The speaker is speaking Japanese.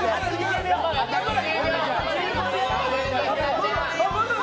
頑張れ！